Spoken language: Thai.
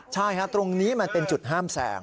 ใช่ตรงนี้มันเป็นจุดห้ามแสง